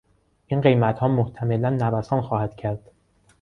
این قیمتها محتملا نوسان خواهد کرد.